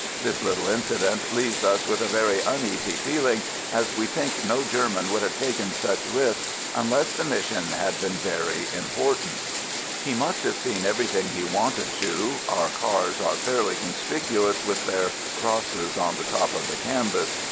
This little incident leaves us with a very uneasy feeling, as we think no German would have taken such risk un less the mission had been very important. INCENDIARY BOMB DROPPED BY GERMAN AVIATOR AT PONT A MOUSSON He must have seen everything he wanted to — our cars are fairly conspicuous with their crosses on the top of the canvas.